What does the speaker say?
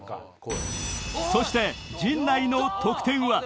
そして陣内の得点は？